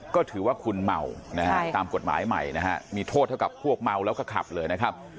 ก็ถือว่าคุณเมานะฮะตามกฎหมายใหม่นะฮะมีโทษเท่ากับพวกเมาแล้วก็ขับเลยนะครับ